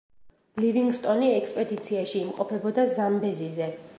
ლივინგსტონი ექსპედიციაში იმყოფებოდა ზამბეზიზე.